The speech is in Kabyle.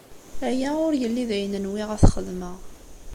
Aya ur yelli d ayen nwiɣ ad t-xedmeɣ.